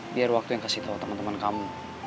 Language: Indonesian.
biar waktu yang kasih tau temen temen kamu